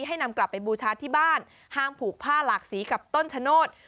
นำกลับไปบูชาที่บ้านห้ามผูกผ้าหลากสีกับต้นชะโนธ